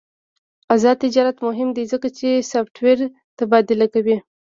آزاد تجارت مهم دی ځکه چې سافټویر تبادله کوي.